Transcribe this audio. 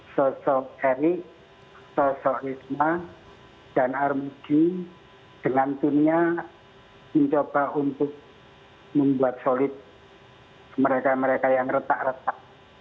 sosok erik sosok risma dan armuji dengan timnya mencoba untuk membuat solid mereka mereka yang retak retak